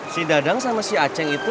si dadang sama si aceh itu